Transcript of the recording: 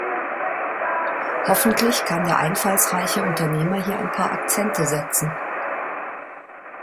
Hoffentlich kann der einfallsreiche Unternehmer hier ein paar Akzente setzen.